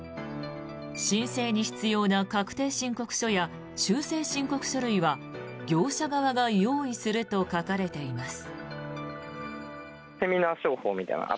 申請に必要な確定申告書や修正申告書類は業者側が用意すると書かれています。